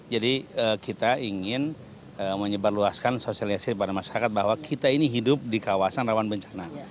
jadi kita ingin menyebarluaskan sosialisasi kepada masyarakat bahwa kita ini hidup di kawasan rawan bencana